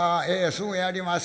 すぐやりまっせ」。